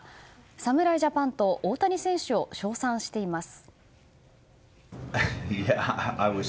侍ジャパンと大谷選手を称賛しています。